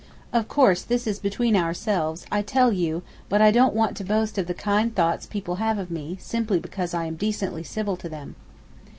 Of course this is between ourselves, I tell you, but I don't want to boast of the kind thoughts people have of me, simply because I am decently civil to them.